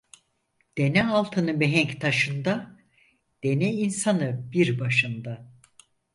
Dene altını mihenk taşında, dene insanı bir başında.